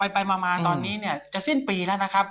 ไปมาตอนนี้เนี่ยจะสิ้นปีแล้วนะครับ